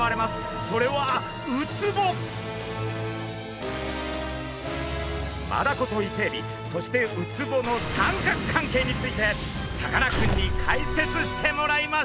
それはマダコとイセエビそしてウツボの三角関係についてさかなクンに解説してもらいましょう！